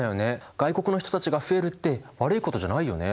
外国の人たちが増えるって悪いことじゃないよね。